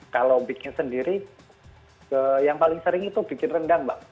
kalau bikin sendiri yang paling sering itu bikin rendang mbak